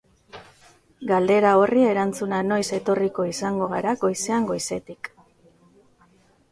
Galdera horri erantzuna noiz etorriko izango gara goizean goizetik.